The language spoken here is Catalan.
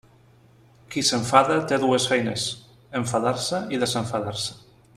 Qui s'enfada té dues feines: enfadar-se i desenfadar-se.